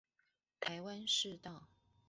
臺灣市道